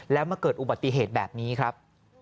แล้วมาเกิดอุบัติเหตุแบบนี้ครับ